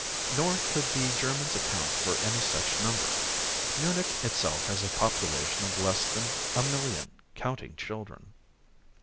Nor could the Germans account for any such number. Munich itself has a population of less than a million, counting children.